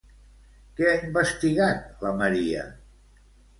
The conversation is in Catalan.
Què ha investigat, la Maria?